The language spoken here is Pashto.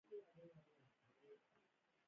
د مارکېټ ناکامي یا نیمګړتیا د ناپوهۍ له امله نه وي.